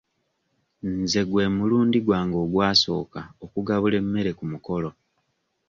Nze gwe mulundi gwange ogwasooka okugabula emmere ku mukolo.